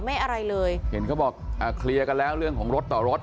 อะไรเลยเห็นเขาบอกอ่าเคลียร์กันแล้วเรื่องของรถต่อรถ